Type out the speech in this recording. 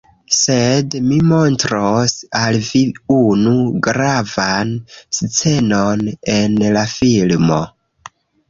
Sed mi montros al vi unu gravan scenon en la filmo